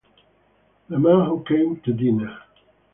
The Man Who Came to Dinner